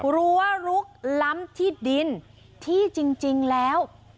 รู้ว่าลุกล้ำที่ดินที่จริงแล้ว